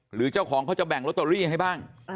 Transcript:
หรือเจ้าของเขาจะแบ่งลอตเตอรี่ให้บ้าง